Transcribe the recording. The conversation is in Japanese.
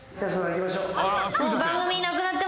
行きましょう。